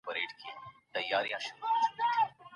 نیوکه کوونکي د ثبوت غوښتنه کوي.